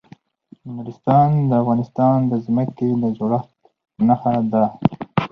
نورستان د افغانستان د ځمکې د جوړښت نښه ده.